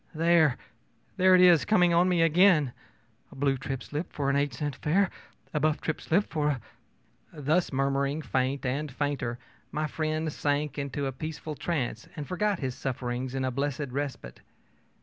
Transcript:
There there it is coming on me again: a blue trip slip for an eight cent fare, a buff trip slip for a ö Thus murmuring faint and fainter, my friend sank into a peaceful trance and forgot his sufferings in a blessed respite.